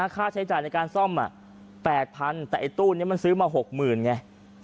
ค่าใช้จ่ายในการซ่อม๘๐๐๐แต่ไอ้ตู้นี้มันซื้อมา๖๐๐๐ไง